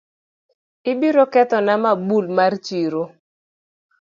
Ibiro kethona mabul mar chiro